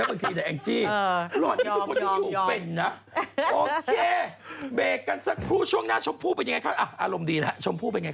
ไม่ได้ขึ้นคานจะไปคานปีที่๖คือไหน